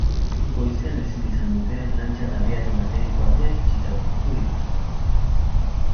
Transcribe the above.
Goizean ezin izan dute lan txanda abiatu, lantegiko ateak itxita aurkitu dituztelako.